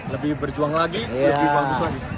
lebih berjuang lagi lebih bagus lagi